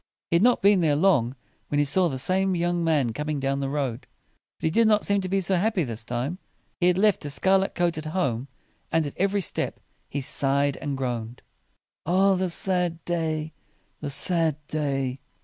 He had not been there long when he saw the same young man coming down the road. But he did not seem to be so happy this time. He had left his scarlet coat at home, and at every step he sighed and groaned. "Ah the sad day! the sad day!"